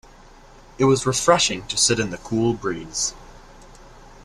It was refreshing to sit in the cool breeze.